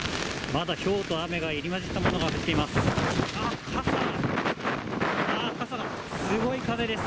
まだひょうと雨が入りまじったものが降っています。